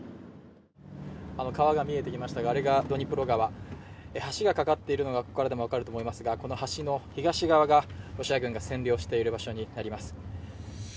川が見えてきましたが、あれがドニプロ川、橋が架かっているのがここからも分かると思いますが、東側がロシア軍が占領している場所になります。